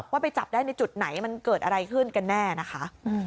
ไปจับได้ในจุดไหนมันเกิดอะไรขึ้นกันแน่นะคะ